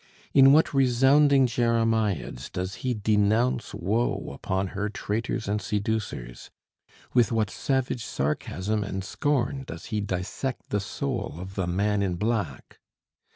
In what resounding jeremiads does he denounce woe upon her traitors and seducers! With what savage sarcasm and scorn does he dissect the soul of the "man in black"!